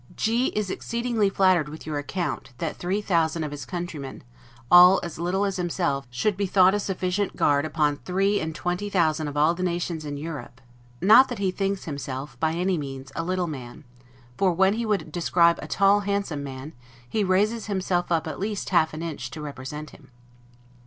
G is exceedingly flattered with your account, that three thousand of his countrymen; all as little as himself, should be thought a sufficient guard upon three and twenty thousand of all the nations in Europe; not that he thinks himself, by any means, a little man, for when he would describe a tall handsome man, he raises himself up at least half an inch to represent him.